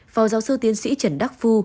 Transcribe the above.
phò giáo sư tiến sĩ trần đắc phu